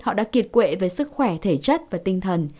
họ đã kiệt quệ với sức khỏe thể chất và tinh thần